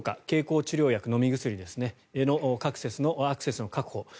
経口治療薬、飲み薬のアクセスの確保